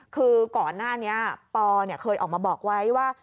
คือก่อนหน้านี้ปเคยออกมาบอกไว้ว่า